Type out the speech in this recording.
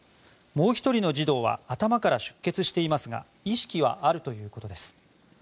もう１人の児童は頭から出血していますが意識はあるということです。